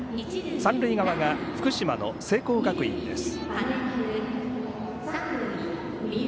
三塁側が福島の聖光学院です。